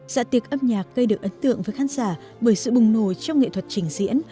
dạ tiệc âm nhạc gây được ấn tượng với khán giả bởi sự bùng nổ trong nghệ thuật trình diễn